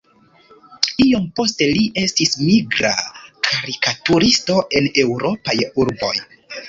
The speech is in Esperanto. Iom poste li estis migra karikaturisto en eŭropaj urboj.